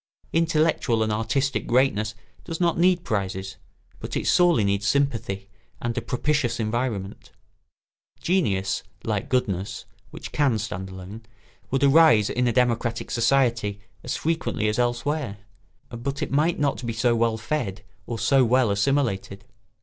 Intellectual and artistic greatness does not need prizes, but it sorely needs sympathy and a propitious environment. Genius, like goodness (which can stand alone), would arise in a democratic society as frequently as elsewhere; but it might not be so well fed or so well assimilated.